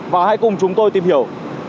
và hãy cùng chúng tôi tìm hiểu